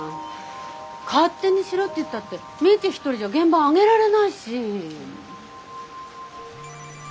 勝手にしろって言ったって未知一人じゃ原盤揚げられないし。